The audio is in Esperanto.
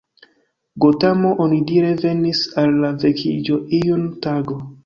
Gotamo onidire venis al la vekiĝo iun tago.